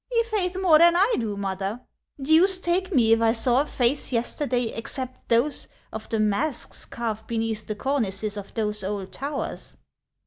" I' faith, more than I do, Mother. Deuce take me if I saw a face yesterday, except those of the masks carved beneath the cornices of those old towers."